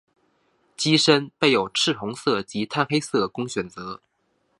机身备有赤红色及碳黑色供选择。